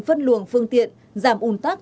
phân luồng phương tiện giảm un tắc